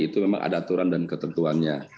itu memang ada aturan dan ketentuannya